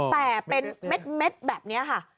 แต่เป็นเม็ดแบบนี้ค่ะ